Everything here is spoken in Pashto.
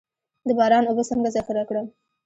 د باران اوبه څنګه ذخیره کړم؟